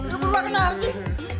eh lu beruah kenapa sih